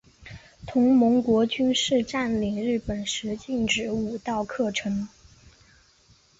同盟国军事占领日本时禁止武道课程。